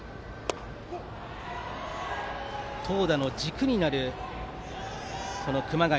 投打の軸になる熊谷。